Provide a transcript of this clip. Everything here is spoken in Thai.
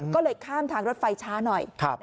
ก็เลยข้ามทางรถไฟช้าหน่อย